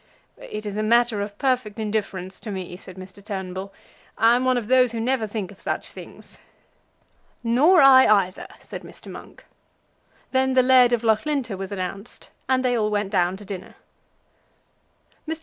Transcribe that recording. "It is a matter of perfect indifference to me," said Mr. Turnbull. "I am one of those who never think of such things." "Nor I either," said Mr. Monk. Then the laird of Loughlinter was announced, and they all went down to dinner. Mr.